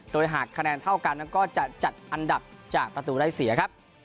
โดยหากคะแนนเท่ากันนั้นก็จะจัดอันดับจากประตูได้เสียครับ